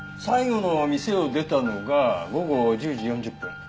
最後の店を出たのが午後１０時４０分。